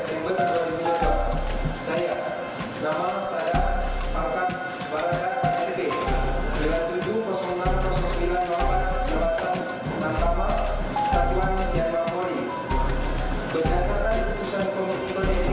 dekasaran keputusan komisi polisik poli